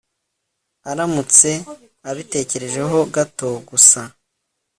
aramutse abitekerejeho gato gusa